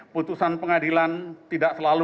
putusan pengadilan tidak selalu